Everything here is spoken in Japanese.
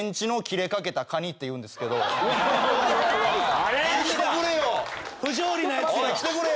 あれ？来てくれよ！